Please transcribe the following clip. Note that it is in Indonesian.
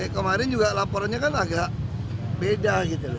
kemarin juga laporannya agak beda